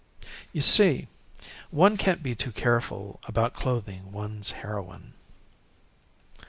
You see, one can't be too careful about clothing one's heroine.